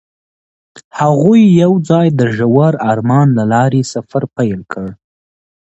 هغوی یوځای د ژور آرمان له لارې سفر پیل کړ.